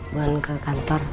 buan ke kantor